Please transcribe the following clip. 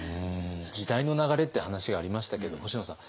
時代の流れって話がありましたけど星野さん。